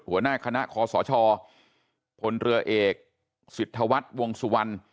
หัวหน้าคณะคอสชพลเรือเอกสิทธวัฒน์วงสุวรรณ